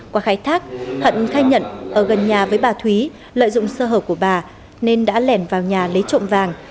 qua khai thác hận khai nhận ở gần nhà với bà thúy lợi dụng sơ hở của bà nên đã lẻn vào nhà lấy trộm vàng